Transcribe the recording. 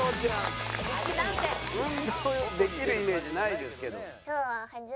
運動できるイメージないですけど。